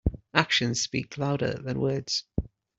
Actions speak louder than words.